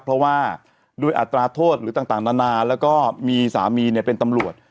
เพราะว่าด้วยอัตราโทษหรือต่างนานาแล้วก็มีสามีเป็นตำรวจ